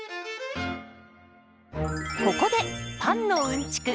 ここでパンのうんちく